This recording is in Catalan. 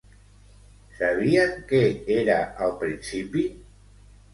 Sabien què era al principi?